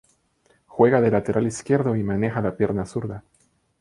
Juega de Lateral izquierdo y maneja la pierna zurda.